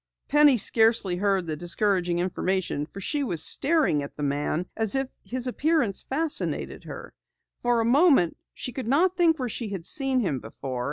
Penny scarcely heard the discouraging information for she was staring at the man as if his appearance fascinated her. For a moment she could not think where she had seen him before.